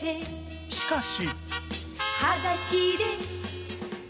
しかし。